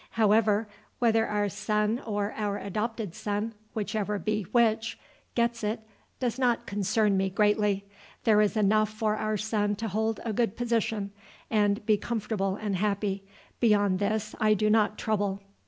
However, whether our son or our adopted son, whichever be which, gets it, does not concern me greatly. There is enough for our son to hold a good position and be comfortable and happy. Beyond this I do not trouble.